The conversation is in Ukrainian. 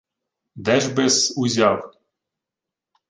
— Де ж би-с узяв?